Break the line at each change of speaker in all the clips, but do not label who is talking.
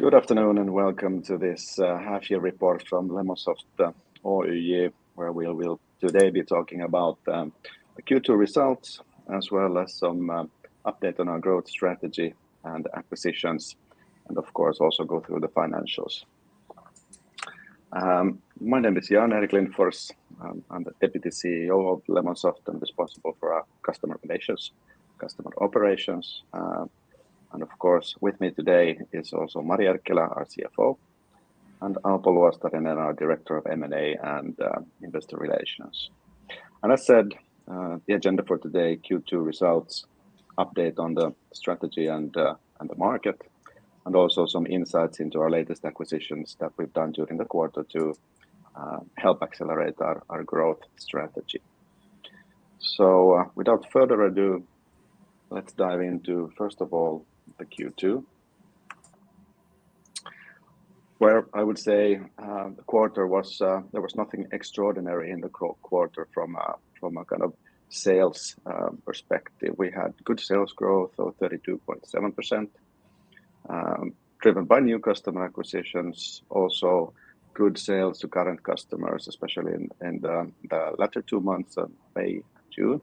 Good afternoon and welcome to this half year report from Lemonsoft Oyj where we'll today be talking about the Q2 results as well as some update on our growth strategy and acquisitions, and of course, also go through the financials. My name is Jan-Erik Lindfors. I'm the Deputy CEO of Lemonsoft and responsible for our customer relations, customer operations. And of course, with me today is also Mari Erkkilä, our CFO, and Alpo Luostarinen, our Director of M&A and Investor Relations. I said the agenda for today, Q2 results, update on the strategy and the market, and also some insights into our latest acquisitions that we've done during the quarter to help accelerate our growth strategy. Without further ado, let's dive into first of all the Q2, where I would say, the quarter was, there was nothing extraordinary in the quarter from a kind of sales perspective. We had good sales growth of 32.7%, driven by new customer acquisitions, also good sales to current customers, especially in the latter two months of May and June.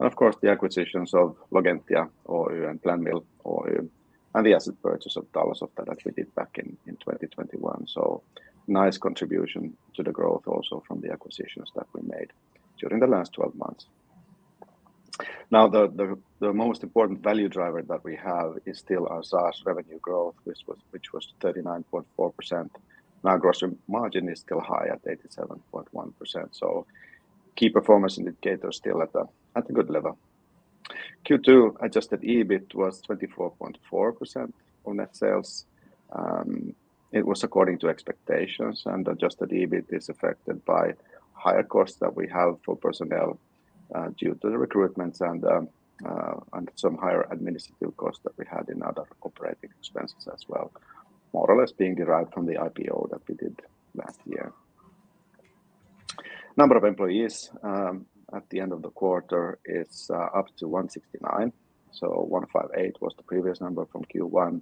Of course, the acquisitions of Logentia Oy and Planmill Oy, and the asset purchase of Talosofta that we did back in 2021. Nice contribution to the growth also from the acquisitions that we made during the last twelve months. Now, the most important value driver that we have is still our SaaS revenue growth, which was 39.4%. Now, gross margin is still high at 87.1%, so key performance indicators still at a good level. Q2 adjusted EBIT was 24.4% on net sales. It was according to expectations, and adjusted EBIT is affected by higher costs that we have for personnel due to the recruitments and some higher administrative costs that we had in other operating expenses as well, more or less being derived from the IPO that we did last year. Number of employees at the end of the quarter is up to 169. 158 was the previous number from Q1,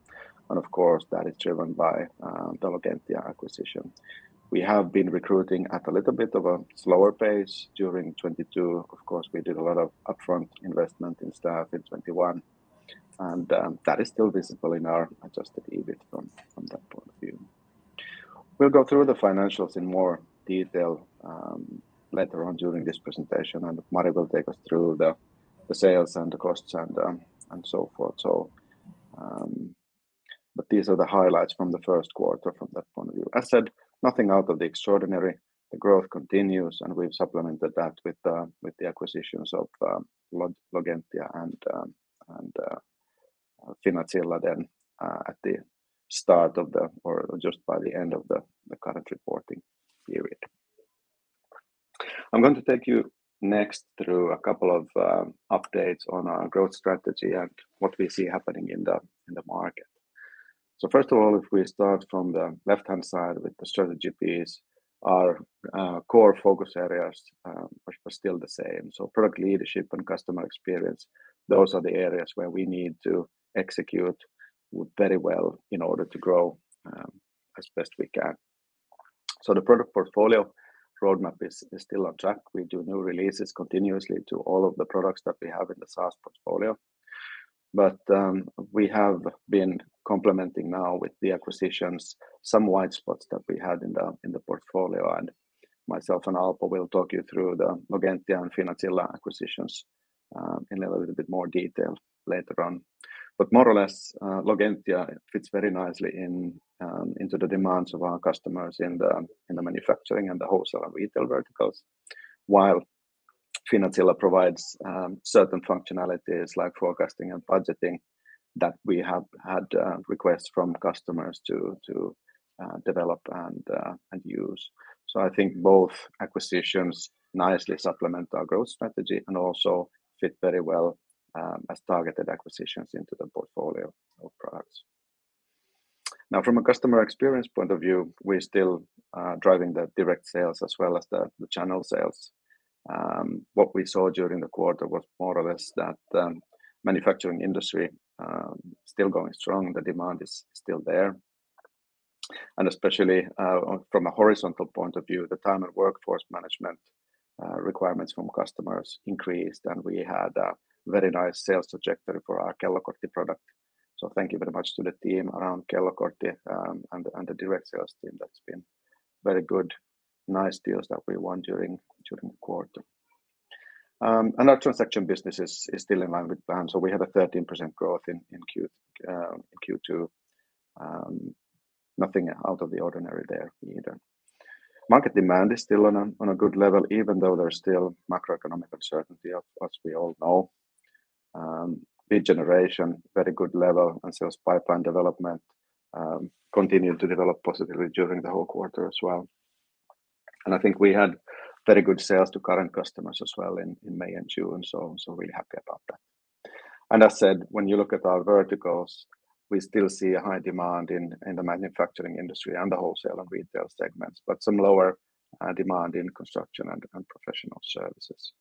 and of course, that is driven by the Logentia acquisition. We have been recruiting at a little bit of a slower pace during 2022. Of course, we did a lot of upfront investment in staff in 2021, and that is still visible in our adjusted EBIT from that point of view. We'll go through the financials in more detail later on during this presentation, and Mari will take us through the sales and the costs and so forth. These are the highlights from the first quarter from that point of view. There's nothing out of the ordinary. The growth continues, and we've supplemented that with the acquisitions of Logentia and Finazilla then just by the end of the current reporting period. I'm going to take you next through a couple of updates on our growth strategy and what we see happening in the market. First of all, if we start from the left-hand side with the strategy piece, our core focus areas are still the same. Product leadership and customer experience, those are the areas where we need to execute very well in order to grow as best we can. The product portfolio roadmap is still on track. We do new releases continuously to all of the products that we have in the SaaS portfolio. We have been complementing now with the acquisitions some white spots that we had in the portfolio, and myself and Alpo will walk you through the Logentia and Finvoicer acquisitions in a little bit more detail later on. More or less, Logentia fits very nicely into the demands of our customers in the manufacturing and the wholesale and retail verticals. While Finvoicer provides certain functionalities like forecasting and budgeting that we have had requests from customers to develop and use. I think both acquisitions nicely supplement our growth strategy and also fit very well as targeted acquisitions into the portfolio of products. Now, from a customer experience point of view, we're still driving the direct sales as well as the channel sales. What we saw during the quarter was more or less that manufacturing industry still going strong. The demand is still there, and especially, from a horizontal point of view, the time and workforce management requirements from customers increased, and we had a very nice sales trajectory for our Kellokortti product. Thank you very much to the team around Kellokortti, and the direct sales team. That's been very good, nice deals that we won during the quarter. Our transaction business is still in line with plan. We have a 13% growth in Q2. Nothing out of the ordinary there either. Market demand is still on a good level, even though there's still macroeconomic uncertainty of course, we all know. Lead generation, very good level, and sales pipeline development continued to develop positively during the whole quarter as well. I think we had very good sales to current customers as well in May and June, so really happy about that. I said, when you look at our verticals, we still see a high demand in the manufacturing industry and the wholesale and retail segments, but some lower demand in construction and professional services.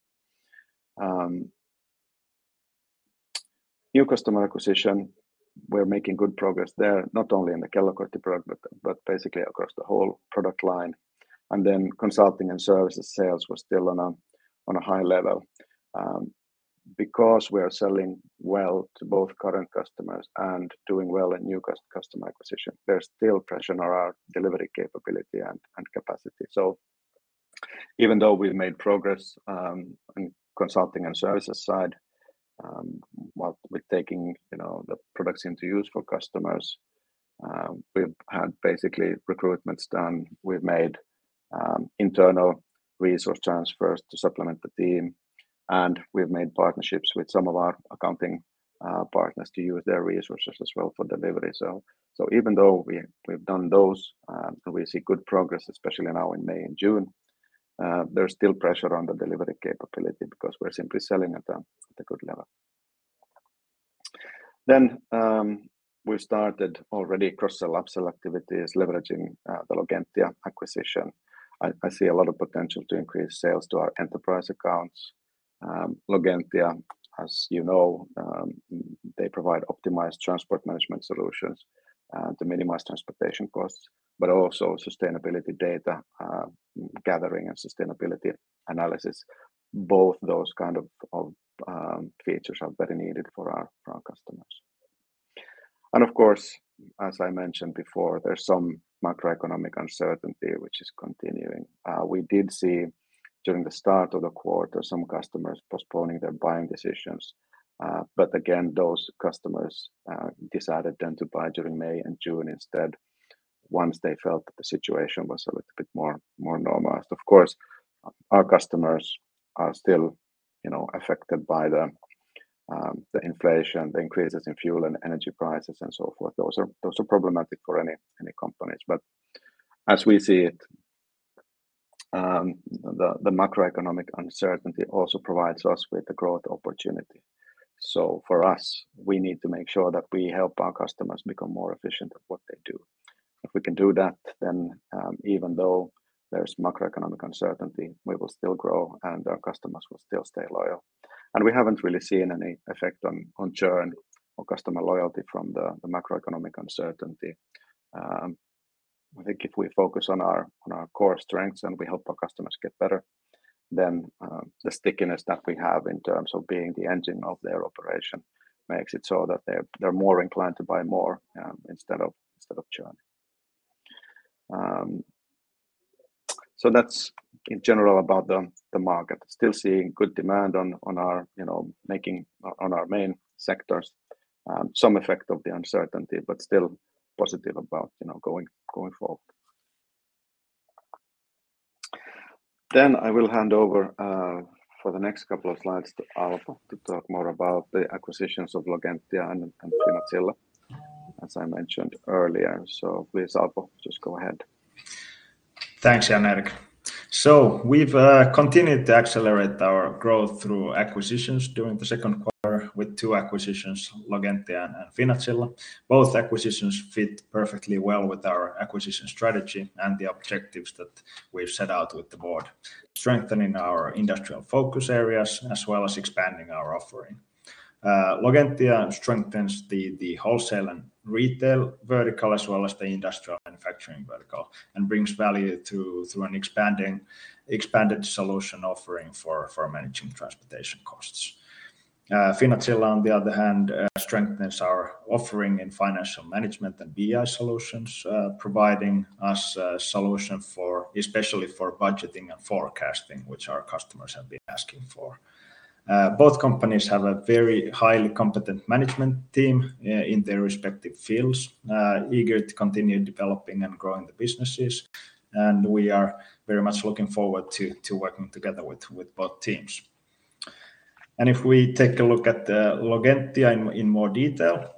New customer acquisition, we're making good progress there, not only in the Kellokortti product, but basically across the whole product line. Then consulting and services sales was still on a high level. Because we are selling well to both current customers and doing well in new customer acquisition, there's still pressure on our delivery capability and capacity. Even though we've made progress in consulting and services side, what we're taking, you know, the products into use for customers, we've had basically recruitments done. We've made internal resource transfers to supplement the team, and we've made partnerships with some of our accounting partners to use their resources as well for delivery. Even though we've done those, and we see good progress, especially now in May and June, there's still pressure on the delivery capability because we're simply selling at a good level. We started already cross-sell, upsell activities leveraging the Logentia acquisition. I see a lot of potential to increase sales to our enterprise accounts. Logentia, as you know, they provide optimized transport management solutions to minimize transportation costs, but also sustainability data gathering and sustainability analysis. Both those kind of features are very needed for our customers. Of course, as I mentioned before, there's some macroeconomic uncertainty which is continuing. We did see during the start of the quarter some customers postponing their buying decisions. Again, those customers decided then to buy during May and June instead once they felt that the situation was a little bit more normalized. Of course, our customers are still, you know, affected by the inflation, the increases in fuel and energy prices and so forth. Those are problematic for any companies. As we see it, the macroeconomic uncertainty also provides us with a growth opportunity. For us, we need to make sure that we help our customers become more efficient at what they do. If we can do that, then even though there's macroeconomic uncertainty, we will still grow and our customers will still stay loyal. We haven't really seen any effect on churn or customer loyalty from the macroeconomic uncertainty. I think if we focus on our core strengths and we help our customers get better, then the stickiness that we have in terms of being the engine of their operation makes it so that they're more inclined to buy more instead of churning. That's in general about the market. Still seeing good demand in our main sectors. Some effect of the uncertainty, but still positive about, you know, going forward. I will hand over for the next couple of slides to Alpo to talk more about the acquisitions of Logentia and Finvoicer, as I mentioned earlier. Please, Alpo, just go ahead.
Thanks, Jan-Erik. We've continued to accelerate our growth through acquisitions during the second quarter with two acquisitions, Logentia and Finvoicer. Both acquisitions fit perfectly well with our acquisition strategy and the objectives that we've set out with the board, strengthening our industrial focus areas as well as expanding our offering. Logentia strengthens the wholesale and retail vertical as well as the industrial manufacturing vertical and brings value through an expanded solution offering for managing transportation costs. Finvoicer on the other hand strengthens our offering in financial management and BI solutions, providing us a solution, especially for budgeting and forecasting, which our customers have been asking for. Both companies have a very highly competent management team in their respective fields, eager to continue developing and growing the businesses. We are very much looking forward to working together with both teams. If we take a look at Logentia in more detail,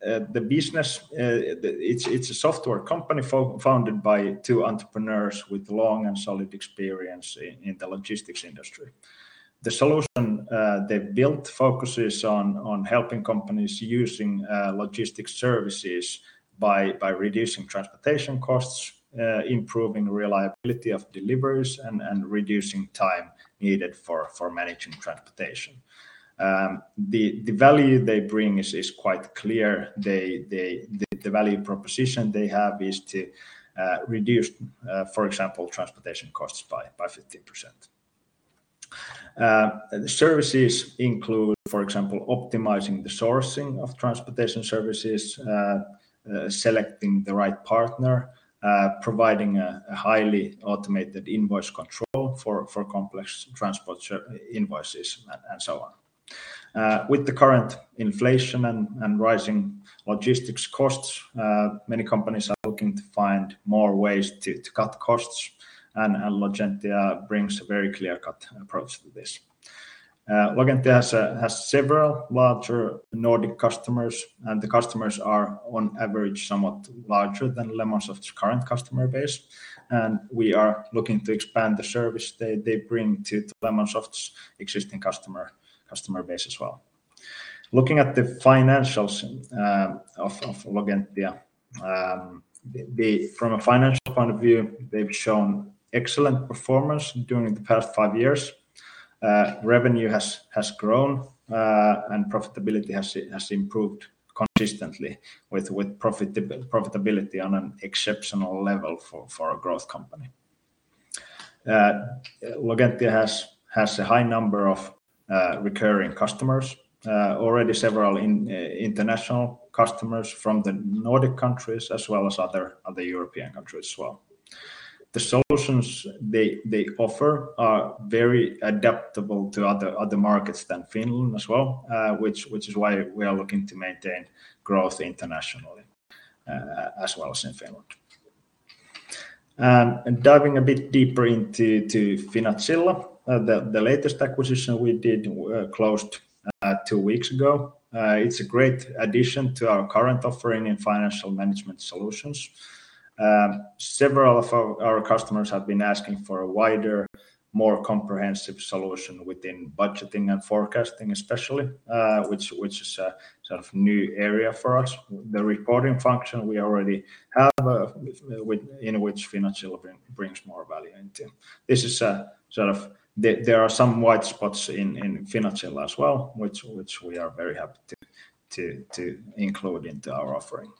the business, it's a software company founded by two entrepreneurs with long and solid experience in the logistics industry. The solution they've built focuses on helping companies using logistics services by reducing transportation costs, improving reliability of deliveries and reducing time needed for managing transportation. The value they bring is quite clear. The value proposition they have is to reduce, for example, transportation costs by 15%. The services include, for example, optimizing the sourcing of transportation services, selecting the right partner, providing a highly automated invoice control for complex transport invoices and so on. With the current inflation and rising logistics costs, many companies are looking to find more ways to cut costs and Logentia brings a very clear-cut approach to this. Logentia has several larger Nordic customers, and the customers are on average somewhat larger than Lemonsoft's current customer base. We are looking to expand the service they bring to Lemonsoft's existing customer base as well. Looking at the financials of Logentia, from a financial point of view, they've shown excellent performance during the past five years. Revenue has grown and profitability has improved consistently with profitability on an exceptional level for a growth company. Logentia has a high number of recurring customers, already several international customers from the Nordic countries as well as other European countries as well. The solutions they offer are very adaptable to other markets than Finland as well, which is why we are looking to maintain growth internationally as well as in Finland. Diving a bit deeper into Finvoicer, the latest acquisition we did closed two weeks ago. It's a great addition to our current offering in financial management solutions. Several of our customers have been asking for a wider, more comprehensive solution within budgeting and forecasting especially, which is a sort of new area for us. The reporting function we already have, in which Finvoicer brings more value into. This is a sort of there are some white spots in Finvoicer as well, which we are very happy to include into our offering.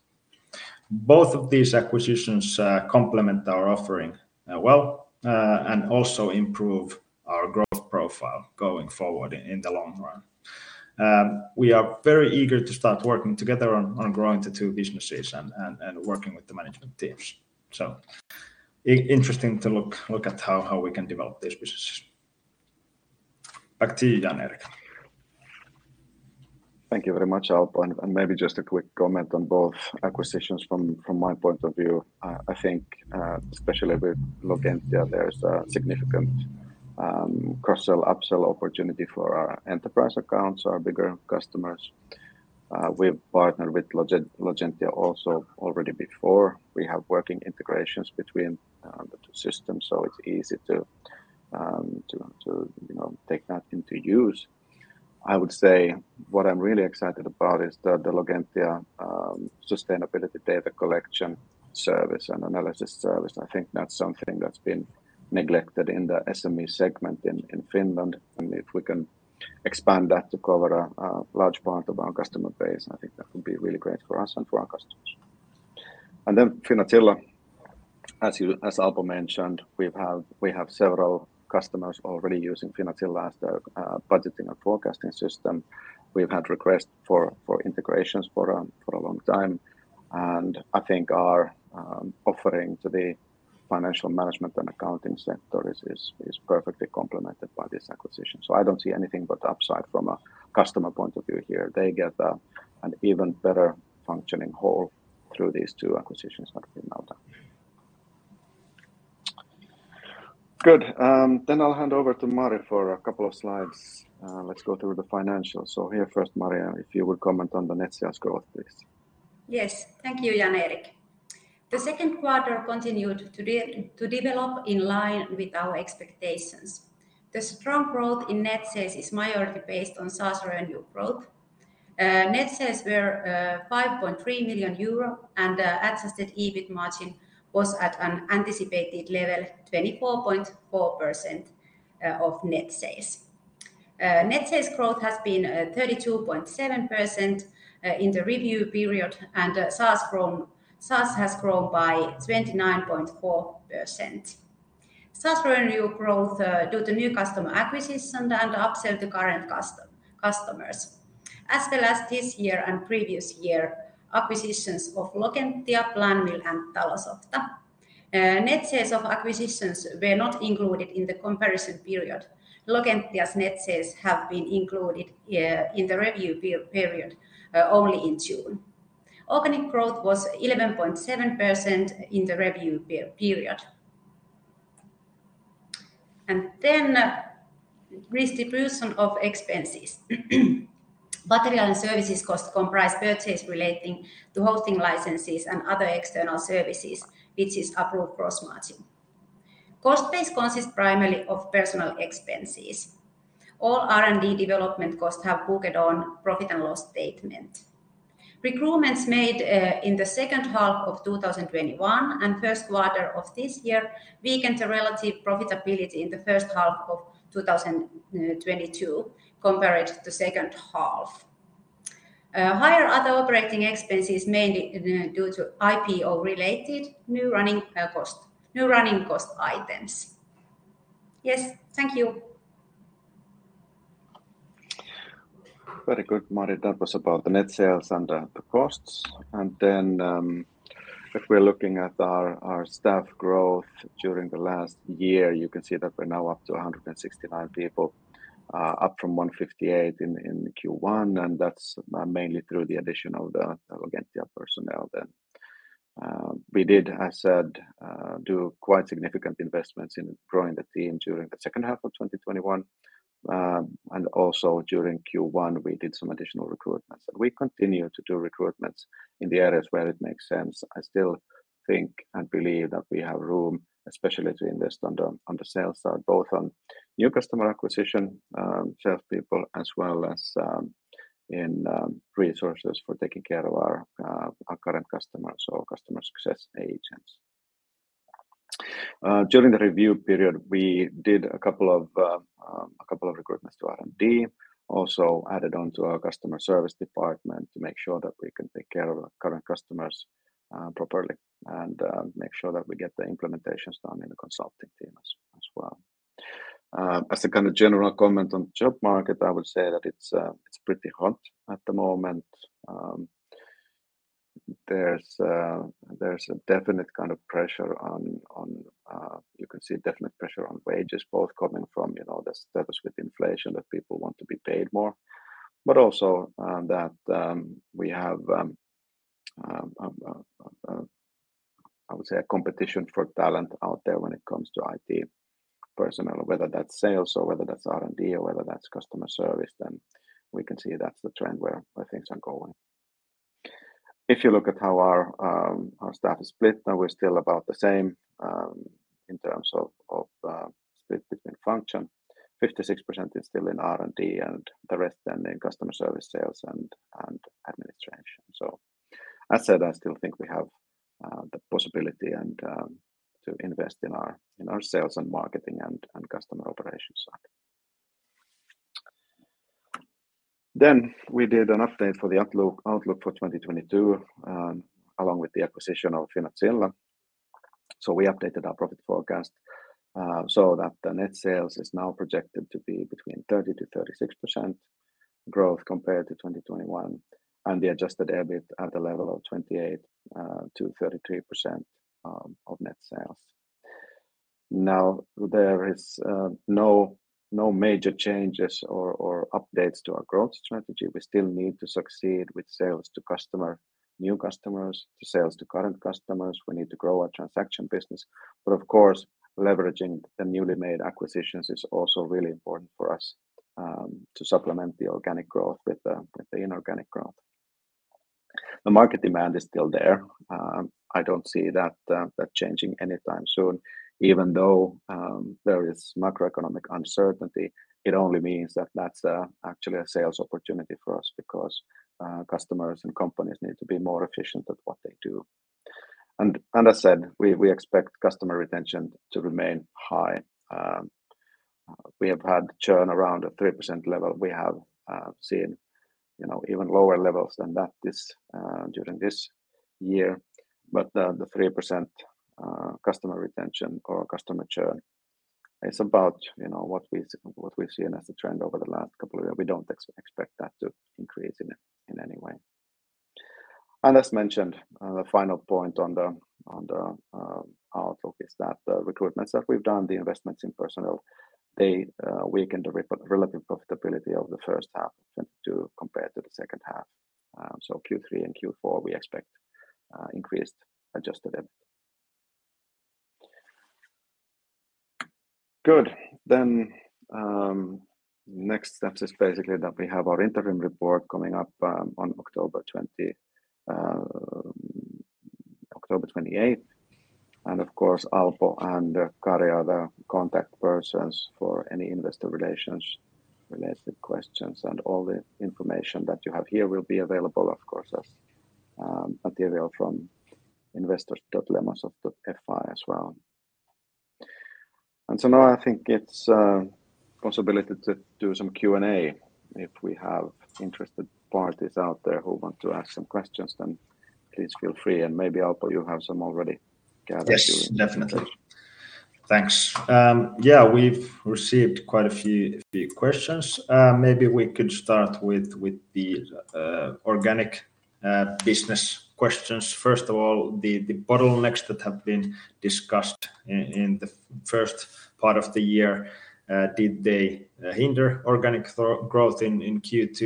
Both of these acquisitions complement our offering, well, and also improve our growth profile going forward in the long run. We are very eager to start working together on growing the two businesses and working with the management teams. Interesting to look at how we can develop these businesses. Back to you Jan-Erik.
Thank you very much, Alpo. Maybe just a quick comment on both acquisitions from my point of view. I think, especially with Logentia, there's a significant cross-sell, upsell opportunity for our enterprise accounts, our bigger customers. We've partnered with Logentia also already before. We have working integrations between the two systems, so it's easy to, you know, take that into use. I would say what I'm really excited about is the Logentia sustainability data collection service and analysis service. I think that's something that's been neglected in the SME segment in Finland. If we can expand that to cover a large part of our customer base, I think that would be really great for us and for our customers. Finvoicer, as Alpo mentioned, we have several customers already using Finvoicer as their budgeting and forecasting system. We've had requests for integrations for a long time, and I think our offering to the financial management and accounting sector is perfectly complemented by this acquisition. I don't see anything but upside from a customer point of view here. They get an even better functioning whole through these two acquisitions that have been now done. Good. Then I'll hand over to Mari for a couple of slides. Let's go through the financials. Here first, Mari, if you would comment on the net sales growth, please.
Yes. Thank you, Jan-Erik. The second quarter continued to develop in line with our expectations. The strong growth in net sales is majority based on SaaS revenue growth. Net sales were 5.3 million euro, and adjusted EBIT margin was at an anticipated level, 24.4% of net sales. Net sales growth has been 32.7% in the review period, and SaaS has grown by 29.4%. SaaS revenue growth due to new customer acquisition and upsell to current customers, as well as this year and previous year acquisitions of Logentia, Planmill, and Talosofta. Net sales of acquisitions were not included in the comparison period. Logentia's net sales have been included in the review period only in June. Organic growth was 11.7% in the review period. Distribution of expenses. Material and services costs comprise purchases relating to hosting licenses and other external services, which is proven gross margin. Cost base consists primarily of personnel expenses. All R&D development costs have booked on profit and loss statement. Recruitments made in the second half of 2021 and first quarter of this year weakened the relative profitability in the first half of 2022 compared to the second half. Higher other operating expenses mainly due to IPO-related new recurring cost items. Yes. Thank you.
Very good, Mari. That was about the net sales and the costs. Then, if we're looking at our staff growth during the last year, you can see that we're now up to 169 people, up from 158 in Q1, and that's mainly through the addition of the Logentia personnel then. We did, as said, do quite significant investments in growing the team during the second half of 2021. Also during Q1, we did some additional recruitments. We continue to do recruitments in the areas where it makes sense. I still think and believe that we have room especially to invest on the sales side, both on new customer acquisition, sales people, as well as, resources for taking care of our current customers or customer success agents. During the review period, we did a couple of recruitments to R&D, also added on to our customer service department to make sure that we can take care of our current customers properly, and make sure that we get the implementations done in the consulting team as well. As a kind of general comment on job market, I would say that it's pretty hot at the moment. There's a definite kind of pressure on. You can see definite pressure on wages both coming from, you know, the status with inflation, that people want to be paid more, but also, that we have, I would say a competition for talent out there when it comes to IT personnel, whether that's sales or whether that's R&D or whether that's customer service, then we can see that's the trend where things are going. If you look at how our staff is split, we're still about the same, in terms of split between function. 56% is still in R&D and the rest then in customer service sales and administration. As said, I still think we have the possibility and to invest in our sales and marketing and customer operations side. We did an update for the outlook for 2022, along with the acquisition of Finazilla Oy. We updated our profit forecast, so that the net sales is now projected to be between 30%-36% growth compared to 2021, and the adjusted EBIT at a level of 28%-33% of net sales. Now, there is no major changes or updates to our growth strategy. We still need to succeed with sales to customer, new customers, to sales to current customers. We need to grow our transaction business. Of course, leveraging the newly made acquisitions is also really important for us, to supplement the organic growth with the inorganic growth. The market demand is still there. I don't see that changing anytime soon. Even though there is macroeconomic uncertainty, it only means that that's actually a sales opportunity for us because customers and companies need to be more efficient at what they do. I said we expect customer retention to remain high. We have had churn around a 3% level. We have seen, you know, even lower levels than that this during this year. The three percent customer retention or customer churn is about, you know, what we've seen as a trend over the last couple of years. We don't expect that to increase in any way. As mentioned, the final point on the outlook is that the recruitments that we've done, the investments in personnel, they weaken the relative profitability of the first half of 2022 compared to the second half. Q3 and Q4, we expect increased adjusted EBIT. Good. Next steps is basically that we have our interim report coming up on October twenty-eighth. Of course, Alpo and Kari are the contact persons for any investor relations related questions. All the information that you have here will be available of course as material from investors.lemonsoft.fi as well. Now I think it's possibility to do some Q&A. If we have interested parties out there who want to ask some questions, please feel free and maybe Alpo you have some already gathered during-
Yes, definitely. Thanks. Yeah, we've received quite a few questions. Maybe we could start with the organic business questions. First of all, the bottlenecks that have been discussed in the first part of the year, did they hinder organic growth in Q2?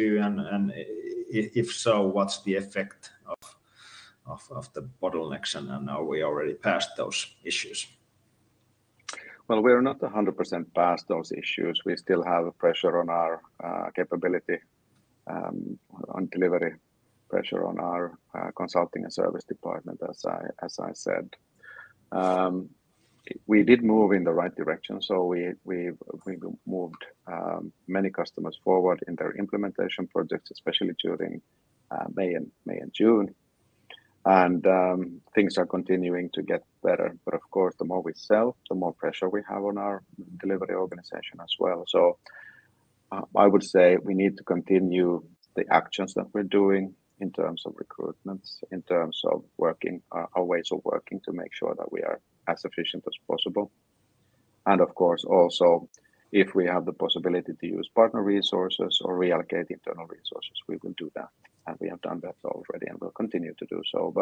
If so, what's the effect of the bottlenecks, and are we already past those issues?
Well, we are not 100% past those issues. We still have a pressure on our capability, on delivery pressure on our consulting and service department as I said. We did move in the right direction. We've moved many customers forward in their implementation projects, especially during May and June. Things are continuing to get better. Of course, the more we sell, the more pressure we have on our delivery organization as well. I would say we need to continue the actions that we're doing in terms of recruitments, in terms of working our ways of working to make sure that we are as efficient as possible. Of course, also if we have the possibility to use partner resources or reallocate internal resources, we will do that, and we have done that already and will continue to do so.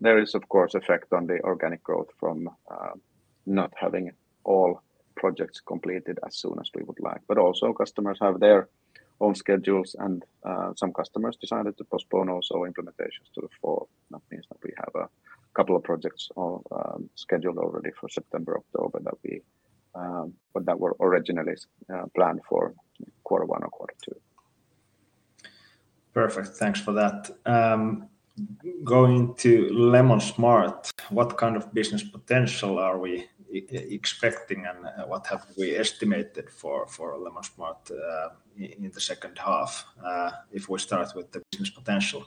There is of course effect on the organic growth from not having all projects completed as soon as we would like. Also customers have their own schedules and, some customers decided to postpone also implementations to the fall. That means that we have a couple of projects scheduled already for September, October that were originally planned for quarter one or quarter two.
Perfect. Thanks for that. Going to Lemonsoft, what kind of business potential are we expecting, and what have we estimated for Lemonsoft in the second half? If we start with the business potential.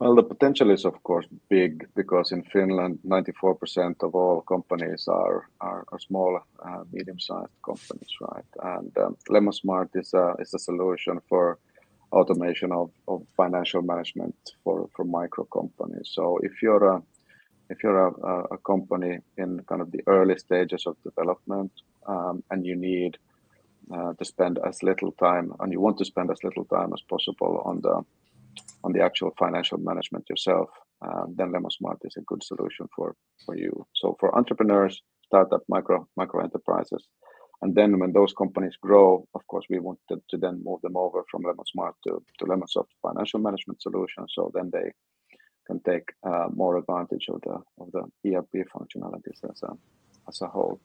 Well, the potential is of course big because in Finland 94% of all companies are small, medium-sized companies, right? Lemonsoft is a solution for automation of financial management for micro companies. If you're a company in kind of the early stages of development, and you need to spend as little time and you want to spend as little time as possible on the actual financial management yourself, then Lemonsoft is a good solution for you. For entrepreneurs, startup micro enterprises, and then when those companies grow, of course, we want to move them over from Lemonsoft to Lemonsoft financial management solution. They can take more advantage of the ERP functionalities as a whole.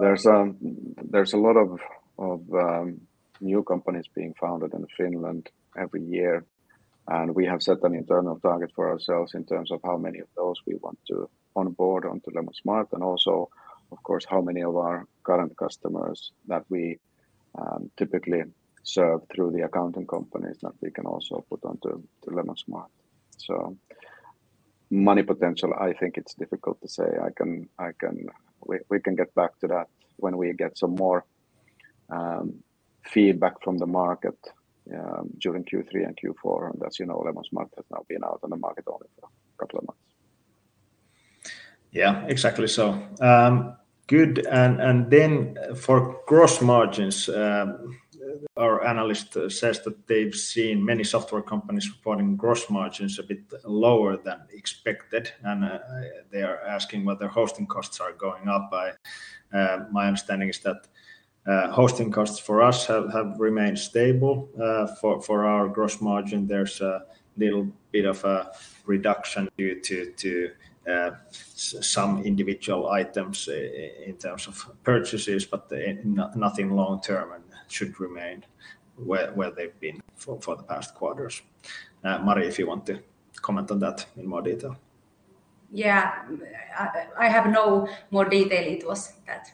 There's a lot of new companies being founded in Finland every year, and we have set an internal target for ourselves in terms of how many of those we want to onboard onto Lemonsoft and, of course, how many of our current customers that we typically serve through the accounting companies that we can also put onto Lemonsoft. Money potential, I think it's difficult to say. We can get back to that when we get some more feedback from the market during Q3 and Q4. As you know, Lemonsoft has now been out on the market only for a couple of months.
Yeah, exactly. Good. For gross margins, our analyst says that they've seen many software companies reporting gross margins a bit lower than expected, and they are asking whether hosting costs are going up. My understanding is that hosting costs for us have remained stable. For our gross margin, there's a little bit of a reduction due to some individual items in terms of purchases, but nothing long-term and should remain where they've been for the past quarters. Mari, if you want to comment on that in more detail.
Yeah. I have no more detail. It was that.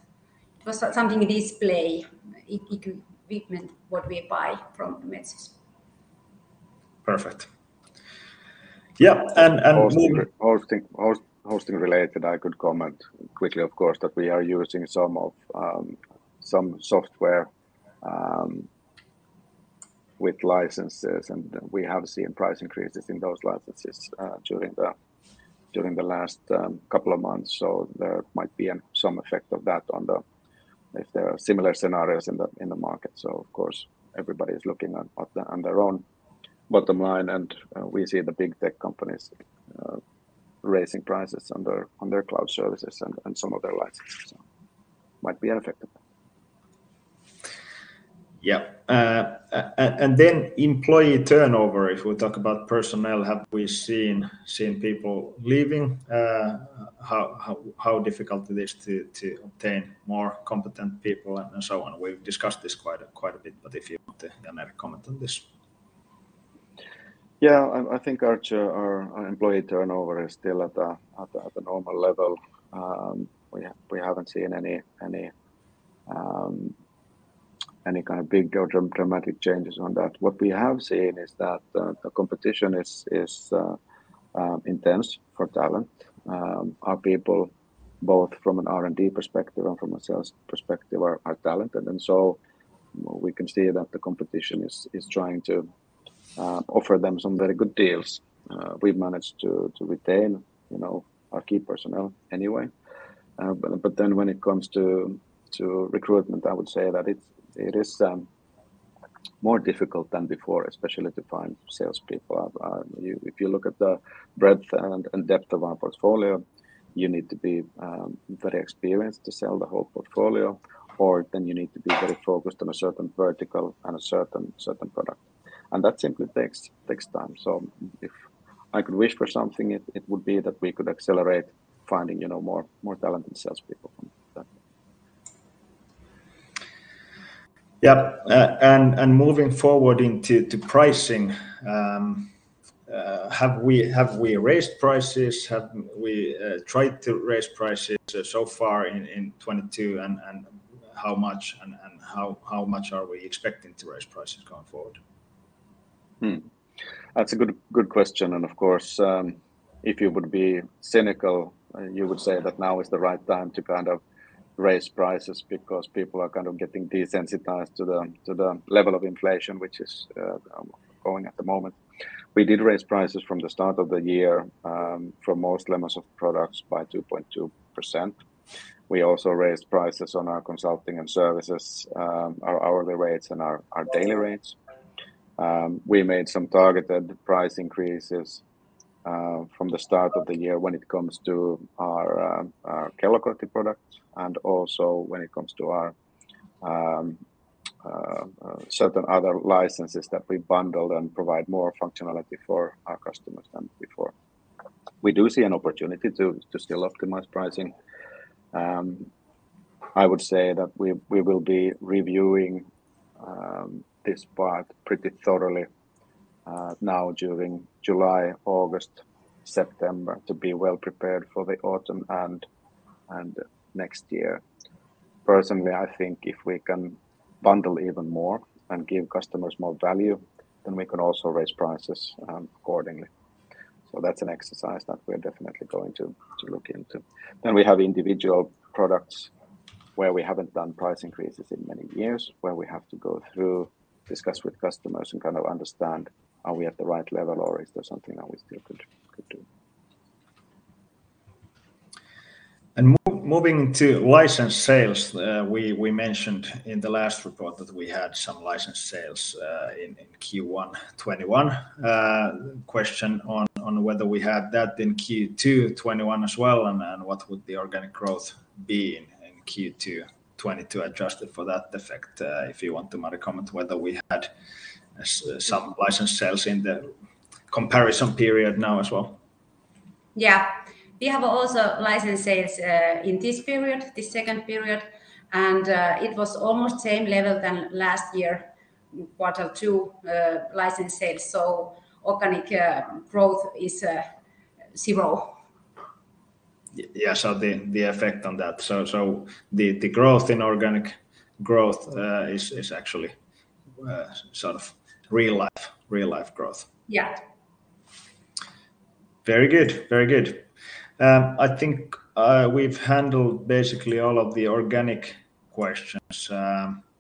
It was something display equipment what we buy from Metsä.
Perfect. Yeah, and.
Hosting related, I could comment quickly, of course, that we are using some of some software with licenses, and we have seen price increases in those licenses during the last couple of months. There might be some effect of that. If there are similar scenarios in the market. Of course, everybody is looking on their own bottom line, and we see the big tech companies raising prices on their cloud services and some of their licenses. Might be an effect of that.
Yeah. Employee turnover, if we talk about personnel, have we seen people leaving? How difficult it is to obtain more competent people and so on? We've discussed this quite a bit, but if you want to add another comment on this.
I think our employee turnover is still at a normal level. We haven't seen any kind of big dramatic changes on that. What we have seen is that the competition is intense for talent. Our people, both from an R&D perspective and from a sales perspective, are talented. We can see that the competition is trying to offer them some very good deals. We've managed to retain, you know, our key personnel anyway. When it comes to recruitment, I would say that it's more difficult than before, especially to find salespeople. If you look at the breadth and depth of our portfolio, you need to be very experienced to sell the whole portfolio, or then you need to be very focused on a certain vertical and a certain product, and that simply takes time. If I could wish for something, it would be that we could accelerate finding, you know, more talented salespeople from that.
Yeah. Moving forward into pricing, have we raised prices? Have we tried to raise prices so far in 2022? How much and how much are we expecting to raise prices going forward?
That's a good question. Of course, if you would be cynical, you would say that now is the right time to kind of raise prices because people are kind of getting desensitized to the level of inflation, which is going at the moment. We did raise prices from the start of the year for most Lemonsoft ERP products by 2.2%. We also raised prices on our consulting and services, our hourly rates and our daily rates. We made some targeted price increases from the start of the year when it comes to our Kellokortti products and also when it comes to our certain other licenses that we bundled and provide more functionality for our customers than before. We do see an opportunity to still optimize pricing. I would say that we will be reviewing this part pretty thoroughly now during July, August, September to be well prepared for the autumn and next year. Personally, I think if we can bundle even more and give customers more value, then we can also raise prices accordingly. That's an exercise that we're definitely going to look into. We have individual products where we haven't done price increases in many years, where we have to go through, discuss with customers, and kind of understand are we at the right level or is there something that we still could do.
Moving to license sales, we mentioned in the last report that we had some license sales in Q1 2021. Question on whether we had that in Q2 2021 as well, and then what would the organic growth be in Q2 2022 adjusted for that effect? If you want to, Mari, comment whether we had some license sales in the comparison period now as well.
Yeah. We have also license sales in this period, this second period, and it was almost same level than last year quarter two license sales. Organic growth is zero.
Yeah, the effect on that. The growth in organic growth is actually sort of real life growth.
Yeah.
Very good. I think we've handled basically all of the organic questions.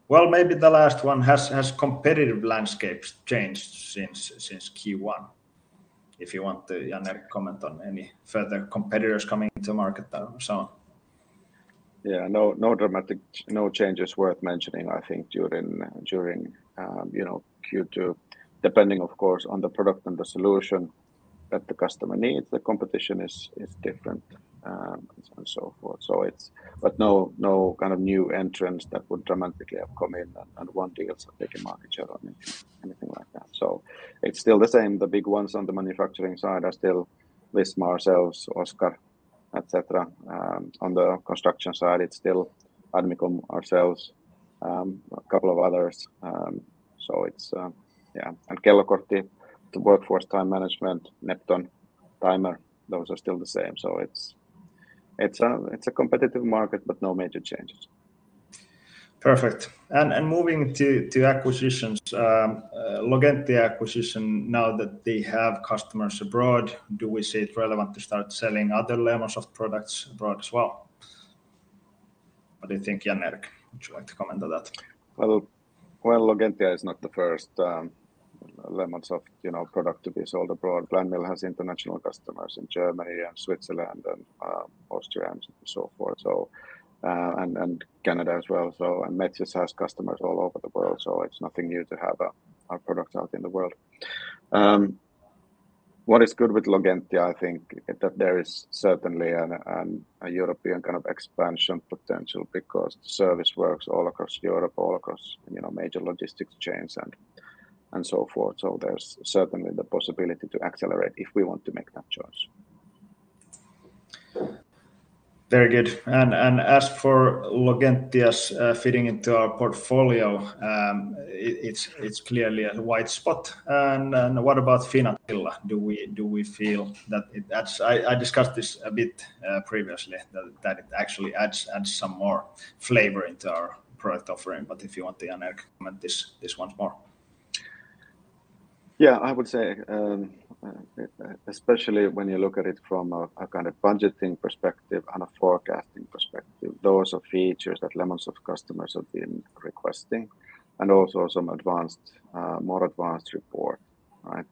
Well, maybe the last one. Has competitive landscape changed since Q1? If you want to, Jan-Erik, comment on any further competitors coming into market or so on.
No dramatic changes worth mentioning, I think, during Q2. Depending, of course, on the product and the solution that the customer needs, the competition is different, and so on, so forth. No kind of new entrants that would dramatically have come in and won deals or taken market share or anything like that. It's still the same. The big ones on the manufacturing side are still Visma, ourselves, Oscar, et cetera. On the construction side, it's still Admicom, ourselves, a couple of others. So it's, yeah. Kellokortti, the workforce time management, Nepton, Timer, those are still the same. It's a competitive market, but no major changes.
Perfect. Moving to acquisitions, Logentia acquisition, now that they have customers abroad, do we see it relevant to start selling other Lemonsoft products abroad as well? What do you think, Jan-Erik? Would you like to comment on that?
Well, Logentia is not the first, Lemonsoft, you know, product to be sold abroad. Planmill has international customers in Germany and Switzerland and Austria and so forth, and Canada as well. Applirent has customers all over the world. It's nothing new to have our products out in the world. What is good with Logentia, I think, that there is certainly a European kind of expansion potential because the service works all across Europe, all across, you know, major logistics chains and so forth. There's certainly the possibility to accelerate if we want to make that choice.
Very good. As for Logentia's fitting into our portfolio, it's clearly a white space. What about Finazilla? Do we feel that it adds? I discussed this a bit previously, that it actually adds some more flavor into our product offering. If you want to, Jan-Erik, comment this once more.
Yeah. I would say, especially when you look at it from a kind of budgeting perspective and a forecasting perspective, those are features that Lemonsoft customers have been requesting and also some advanced, more advanced reporting, right?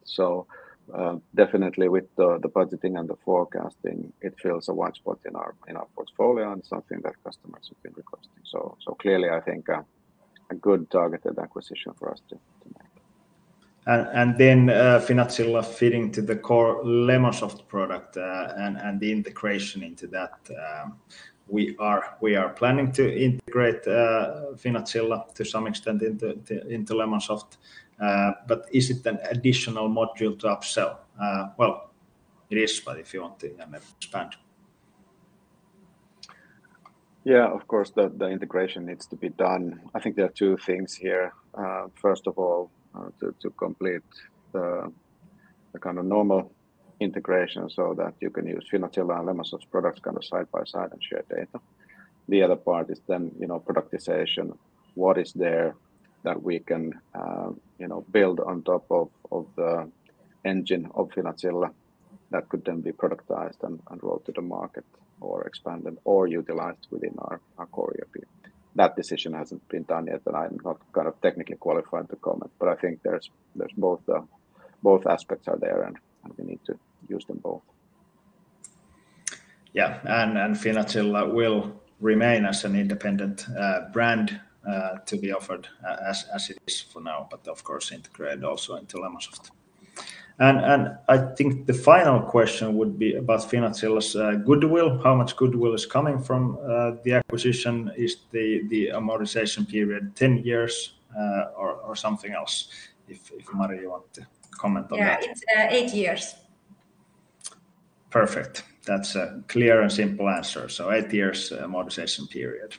Definitely with the budgeting and the forecasting, it fills a white spot in our portfolio and something that customers have been requesting. Clearly, I think a good targeted acquisition for us to make.
Finazilla fitting to the core Lemonsoft product, and the integration into that, we are planning to integrate Finazilla to some extent into Lemonsoft. Is it an additional module to upsell? Well, it is, but if you want to, Jan-Erik, expand.
Yeah. Of course the integration needs to be done. I think there are two things here. First of all, to complete the kind of normal integration so that you can use Finazilla and Lemonsoft products kind of side by side and share data. The other part is then, you know, productization, what is there that we can, you know, build on top of the engine of Finazilla that could then be productized and rolled to the market or expanded or utilized within our core ERP. That decision hasn't been done yet, and I'm not kind of technically qualified to comment, but I think there's both aspects are there, and we need to use them both.
Yeah. Finazilla will remain as an independent brand to be offered as it is for now, but of course integrate also into Lemonsoft. I think the final question would be about Finazilla's goodwill. How much goodwill is coming from the acquisition? Is the amortization period 10 years or something else? If Mari, you want to comment on that.
Yeah. It's eight years.
Perfect. That's a clear and simple answer. Eight years amortization period.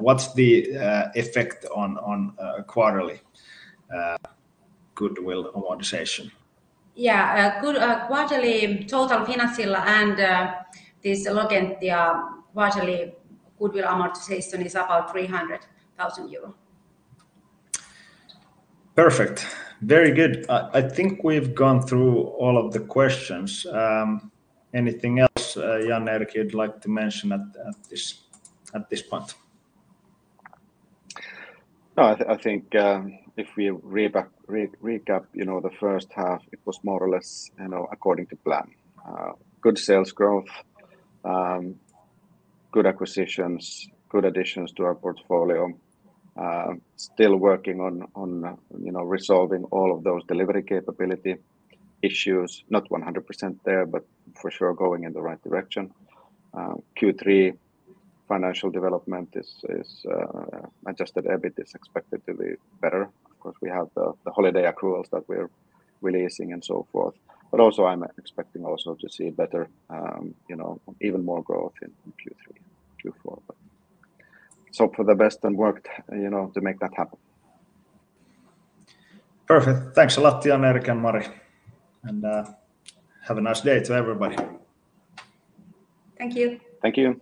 What's the effect on quarterly goodwill amortization?
Good quarterly total Finazilla and this Logentia quarterly goodwill amortization is about 300,000 euro.
Perfect. Very good. I think we've gone through all of the questions. Anything else, Jan-Erik, you'd like to mention at this point?
No, I think if we recap, you know, the first half, it was more or less, you know, according to plan. Good sales growth, good acquisitions, good additions to our portfolio. Still working on you know, resolving all of those delivery capability issues. Not 100% there, but for sure going in the right direction. Q3 financial development is adjusted EBIT is expected to be better. Of course, we have the holiday accruals that we're releasing and so forth. Also I'm expecting also to see a better, you know, even more growth in Q3, Q4. Let's hope for the best and work, you know, to make that happen.
Perfect. Thanks a lot, Jan-Erik and Mari. Have a nice day to everybody.
Thank you.
Thank you.